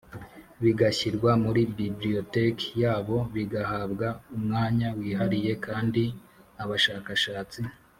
bigashyirwa muri Bibliotheque yabo bigahabwa umwanya wihariye kandi abashakashatsi